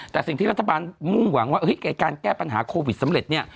แต่สิ่งที่รัฐบาลมุ่งหวังว่าการแก้ปัญหาโควิดสำเร็จเนี่ย